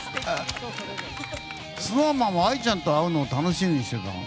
ＳｎｏｗＭａｎはＡＩちゃんと会うのを楽しみにしてたの？